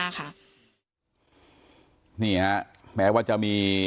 แม้ว่าจะมีทางสูตรนี้